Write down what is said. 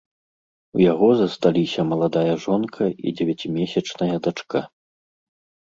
У яго засталіся маладая жонка і дзевяцімесячная дачка.